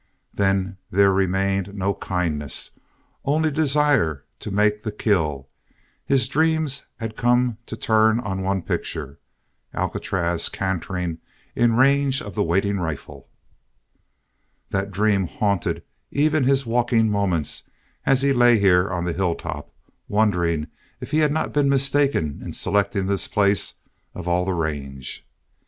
Then there remained no kindness, only desire to make the kill. His dreams had come to turn on one picture Alcatraz cantering in range of the waiting rifle! That dream haunted even his walking moments as he lay here on the hilltop, wondering if he had not been mistaken in selecting this place of all the range.